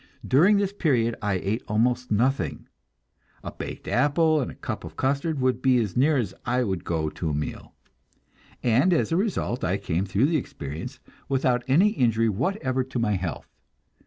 During this period I ate almost nothing; a baked apple and a cup of custard would be as near as I would go to a meal, and as a result I came through the experience without any injury whatever to my health.